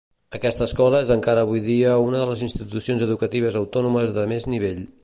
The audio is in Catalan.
Aquesta escola és encara avui dia una de les institucions educatives autònomes de més nivell.